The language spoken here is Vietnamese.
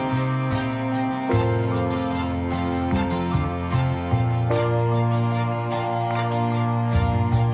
hẹn gặp lại